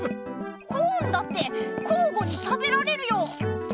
コーンだってこうごに食べられるよ！